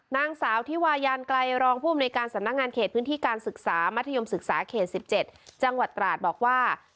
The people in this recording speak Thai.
นางสาวธิวายานไกลรองผู้อำนวยการสำนักงานเขตพื้นที่การศึกษามัธยมศึกษาเขต๑๗จังหวัดตราดบอกว่า